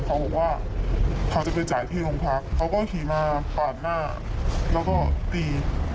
เขาบอกว่าเขาจะไปจ่ายที่โรงพักเขาก็ขี่มาผ่านหน้าแล้วก็ตี